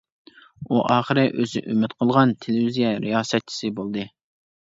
ئۇ ئاخىرى ئۆزى ئۈمىد قىلغان تېلېۋىزىيە رىياسەتچىسى بولدى.